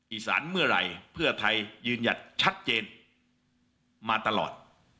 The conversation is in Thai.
สารเมื่อไหร่เพื่อไทยยืนหยัดชัดเจนมาตลอด